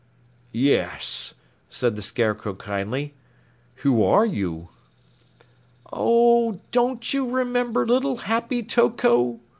"Yes," said the Scarecrow kindly, "who are you?" "Oh, don't you remember little Happy Toko?"